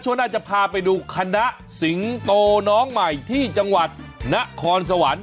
ช่วงหน้าจะพาไปดูคณะสิงโตน้องใหม่ที่จังหวัดนครสวรรค์